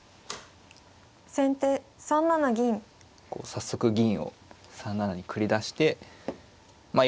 早速銀を３七に繰り出してまあ